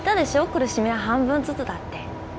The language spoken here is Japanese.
苦しみは半分ずつだって。